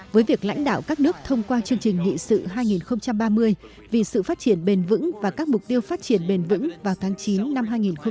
với việc lãnh đạo các nước thông qua chương trình nghị sự hai nghìn ba mươi vì sự phát triển bền vững và các mục tiêu phát triển bền vững vào tháng chín năm hai nghìn hai mươi năm